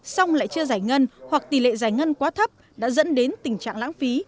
xong lại chưa giải ngân hoặc tỷ lệ giải ngân quá thấp đã dẫn đến tình trạng lãng phí